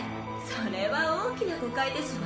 それは大きな誤解ですわ。